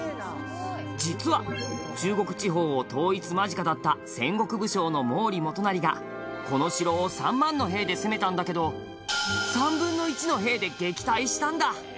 実は中国地方を統一間近だった戦国武将の毛利元就がこの城を３万の兵で攻めたんだけど３分の１の兵で撃退したんだ！